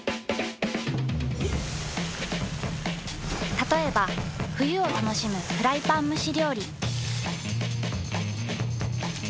たとえば冬を楽しむフライパン蒸し料理。